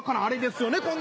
あれですよね。